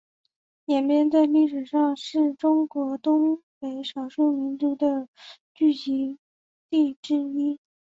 延边在历史上是中国东北少数民族的聚居地之一。